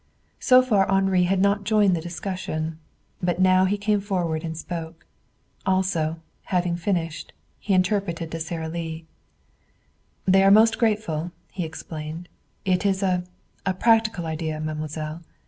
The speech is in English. So far Henri had not joined in the discussion. But now he came forward and spoke. Also, having finished, he interpreted to Sara Lee. "They are most grateful," he explained. "It is a a practical idea, mademoiselle.